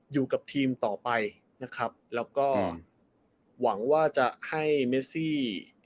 อยู่กับทีมต่อไปนะครับแล้วก็หวังว่าจะให้เมซี่